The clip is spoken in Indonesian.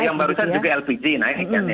yang barusan juga lpg naik